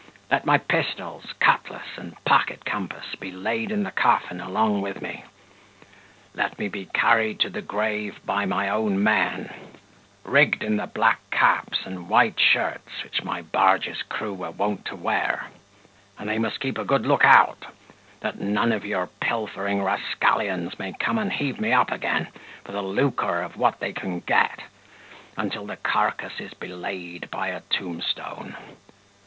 Let my pistols, cutlass, and pocket compass be laid in the coffin along with me. Let me be carried to the grave by my own men, rigged in the black caps and white shirts which my barge's crew were wont to wear; and they must keep a good look out, that none of your pilfering rascallions may come and heave me up again, for the lucre of what they can get, until the carcase is belayed by a tombstone.